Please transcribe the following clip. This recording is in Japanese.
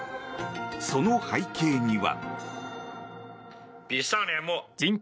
その背景には。